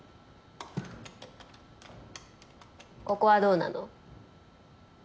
ここはどうなの？